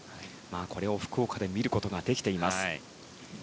これを福岡で見ることができています。